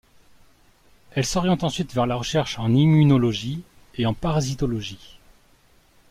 Elle s'oriente ensuite vers la recherche en immunologie, et en parasitologie.